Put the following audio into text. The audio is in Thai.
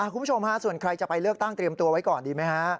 คุณผู้ชมฮะส่วนใครจะไปเลือกตั้งเตรียมตัวไว้ก่อนดีไหมฮะ